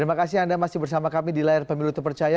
terima kasih anda masih bersama kami di layar pemilu terpercaya